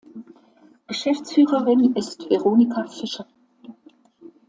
Geschäftsführerin ist Veronika Fischer.